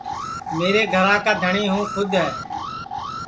میرے گھرا کا دھٹؔی ہوں کُھد ہے